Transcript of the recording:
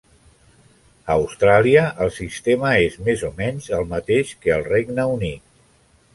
A Austràlia, el sistema és més o menys el mateix que al Regne Unit.